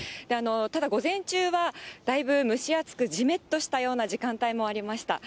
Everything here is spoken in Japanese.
ただ午前中はだいぶ蒸し暑く、じめっとしたような時間帯もありました。